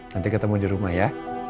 nanti ketemu dirumah ya